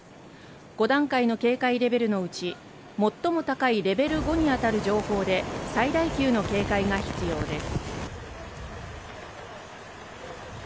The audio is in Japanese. ５段階の警戒レベルのうち最も高いレベル５にあたる情報で最大級の警戒が必要です。